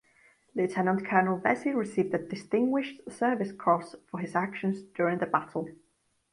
Lieutenant Colonel Vessey received the Distinguished Service Cross for his actions during the battle.